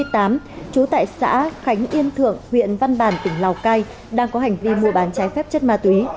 trú tại xã khánh yên thượng huyện văn bàn tỉnh lào cai đang có hành vi mua bán trái phép chất ma túy